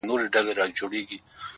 بیا هغه لار ده- خو ولاړ راته صنم نه دی-